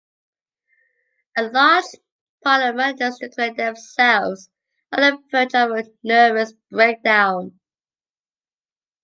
A large part of managers declare themselves on the verge of a nervous breakdown.